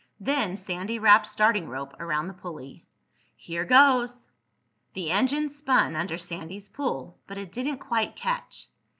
Then Sandy wrapped starting rope around the pulley. "Here goes!" The engine spun under Sandy's pull, but it didn't quite catch.